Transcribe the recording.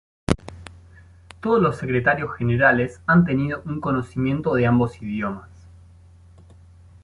Todos los secretarios generales han tenido un conocimiento de ambos idiomas.